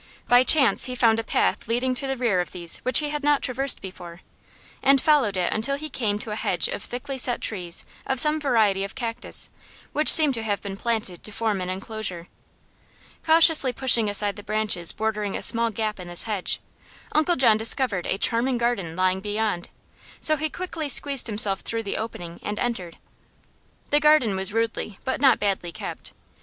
By chance he found a path leading to the rear of these which he had not traversed before, and followed it until he came to a hedge of thickly set trees of some variety of cactus, which seemed to have been planted to form an enclosure. Cautiously pushing aside the branches bordering a small gap in this hedge, Uncle John discovered a charming garden lying beyond, so he quickly squeezed himself through the opening and entered. The garden was rudely but not badly kept.